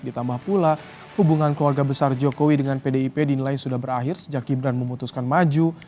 ditambah pula hubungan keluarga besar jokowi dengan pdip dinilai sudah berakhir sejak gibran memutuskan maju